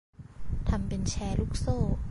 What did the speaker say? ทำเป็นแชร์ลูกโซ่